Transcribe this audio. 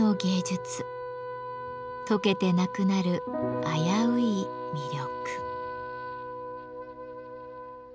とけてなくなる危うい魅力。